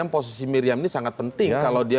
posisi miriam ini sangat penting kalau dia